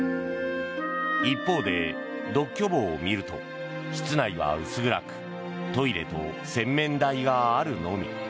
一方で独居房を見ると室内は薄暗くトイレと洗面台があるのみ。